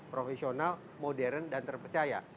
profesional modern dan terpercaya